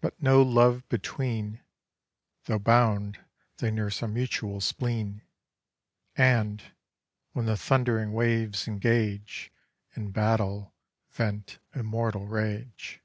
But no love between: Tho' bound, they nurse a mutual spleen; And, when the thundering Waves engage In battle, vent immortal rage.